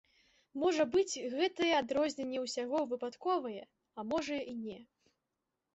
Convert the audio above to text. Можа быць, гэтае адрозненне ўсяго выпадковае, а можа і не.